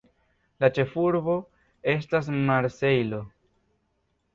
La ĉefurbo estas Marsejlo.